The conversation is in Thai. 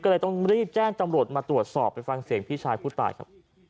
ก็เลยต้องรีบแจ้งตำรวจมาตรวจสอบไปฟังเสียงพี่ชายผู้ตายครับ